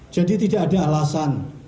jadi tidak ada alasan